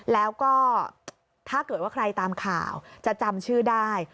แล้วก็ถ้าเกิดว่าใครตามข่าวจะจำชื่อได้